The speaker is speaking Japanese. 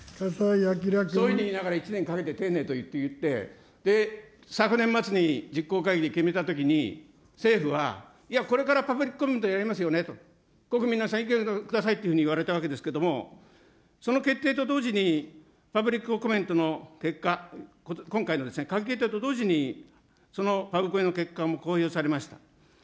そういうふうに言いながら１年かけて丁寧にって言って、昨年末に実行会議で決めたときに、政府は、いや、これからパブリックコメントやりますよね、国民のをくださいと言われたわけですけれども、その決定と同時に、パブリックコメントの結果、今回のですね、と同時に、パブコメの結果も公表されました。